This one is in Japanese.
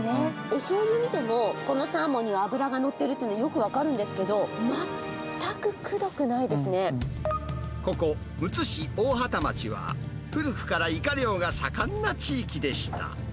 おしょうゆ見ても、このサーモンに脂が乗ってるっていうの、よく分かるんですけど、ここ、むつ市おおはた町は、古くからイカ漁が盛んな地域でした。